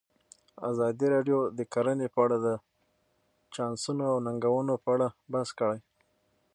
ازادي راډیو د کرهنه په اړه د چانسونو او ننګونو په اړه بحث کړی.